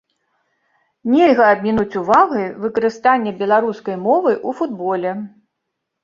Нельга абмінуць увагай выкарыстанне беларускай мовы ў футболе.